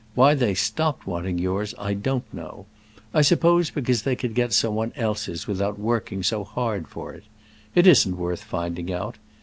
Why they stopped wanting yours I don't know; I suppose because they could get someone else's without working so hard for it. It isn't worth finding out.